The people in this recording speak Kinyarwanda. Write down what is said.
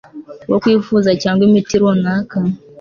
bwo kwivuza cyangwa imiti runaka